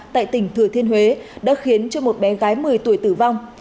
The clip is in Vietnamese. tại tỉnh thừa thiên huế đã khiến cho một bé gái một mươi tuổi tử vong